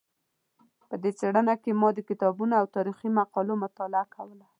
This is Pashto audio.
په دې څېړنه کې ما د کتابونو او تاریخي مقالو مطالعه کوله.